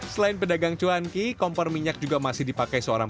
selain pedagang cuanki kompor minyak juga masih dipakai seorang